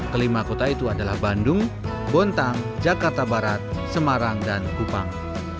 kelima kota itu adalah bandung bontang jakarta barat semarang dan kupang